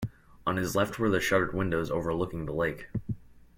On his left were the shuttered windows overlooking the lake.